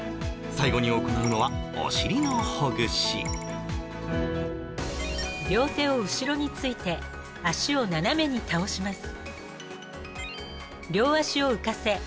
最後に行うのはお尻のほぐし両手を後ろについて足を斜めに倒します